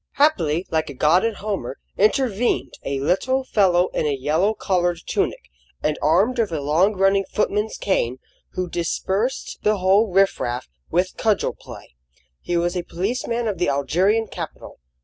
Happily, like a god in Homer, intervened a little fellow in a yellow collared tunic, and armed with a long running footman's cane, who dispersed the whole riff raff with cudgel play. He was a policeman of the Algerian capital.